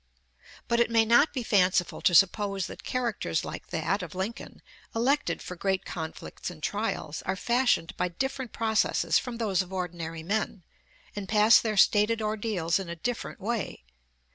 But it may not be fanciful to suppose that characters like that of Lincoln, elected for great conflicts and trials, are fashioned by different processes from those of ordinary men, and pass their stated ordeals in a different way.